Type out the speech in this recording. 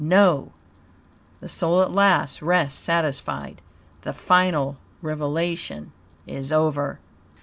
No. The Soul at last rests satisfied. The final revelation is over.